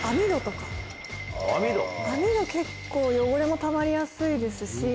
網戸結構汚れもたまりやすいですし。